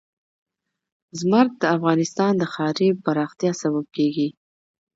زمرد د افغانستان د ښاري پراختیا سبب کېږي.